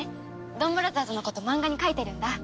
ドンブラザーズのことマンガに描いてるんだ。